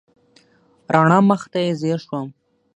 راڼه مخ ته یې ځېر شوم.